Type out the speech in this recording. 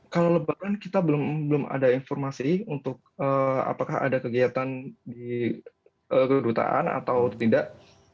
kalau lebaran kita belum ada informasi untuk apakah ada kegiatan di kedutaan atau tidak